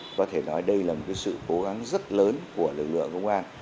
có thể nói đây là một sự cố gắng rất lớn của lực lượng công an